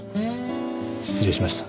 失礼しました。